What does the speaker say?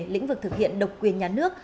lĩnh vực thực hiện độc quyền nhà nước